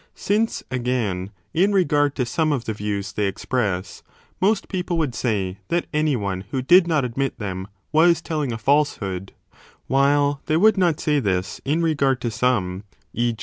Since, again, in regard to some of the views they express, 1 5 most people would say that any one who did not admit them was telling a falsehood, while they would not say this in regard to some, e.